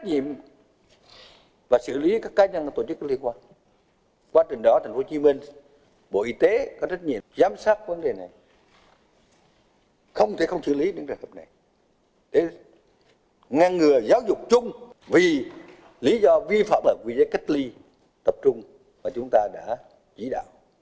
để ngăn ngừa giáo dục chung vì lý do vi phạm ở vị trí cách ly tập trung mà chúng ta đã chỉ đạo